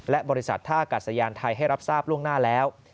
และบริษัทท่ากาศยานไทยให้รับทราบล่วงหน้าแล้ว